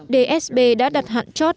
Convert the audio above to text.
dsb đã đặt hạn chót